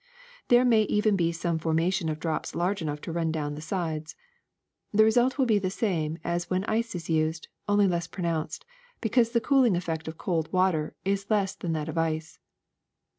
^^ There may even be some formation of drops large enough to run down the sides. The result will be the same as when ice is used, only less pronounced, because the cooling effect of cold water is less than that of ice.